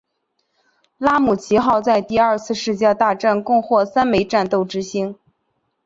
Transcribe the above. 拉姆齐号在第二次世界大战共获三枚战斗之星。